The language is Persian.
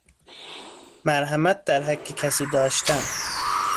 مرحمت در حق کسی داشتن